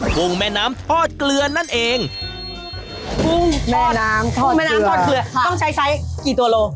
กุ้งแม่น้ำทอดเกลือนั่นเองแม่น้ำทอดเกลือต้องใช้ไซส์กี่ตัวโล